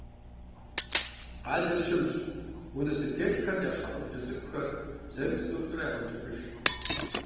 Къалэр щымщ. Унэ зэтетхэм я щхьэгъубжэ цӏыкӏухэр, зырыз-тӏурытӏурэ ягъэункӏыфӏыж.